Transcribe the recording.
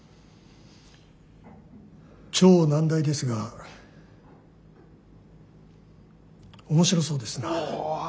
超難題ですが面白そうですな。